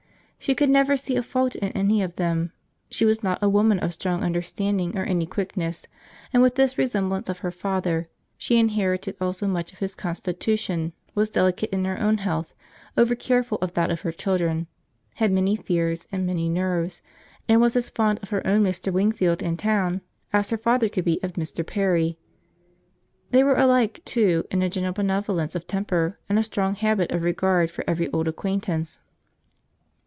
She could never see a fault in any of them. She was not a woman of strong understanding or any quickness; and with this resemblance of her father, she inherited also much of his constitution; was delicate in her own health, over careful of that of her children, had many fears and many nerves, and was as fond of her own Mr. Wingfield in town as her father could be of Mr. Perry. They were alike too, in a general benevolence of temper, and a strong habit of regard for every old acquaintance.